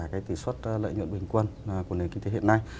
cái tỷ suất lợi nhuận bình quân của nền kinh tế hiện nay